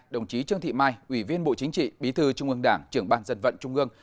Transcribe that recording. đồng chí trương thị mai ủy viên bộ chính trị bí thư trung ương đảng trưởng ban dân vận trung ương